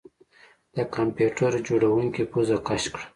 د کمپیوټر جوړونکي پوزه کش کړه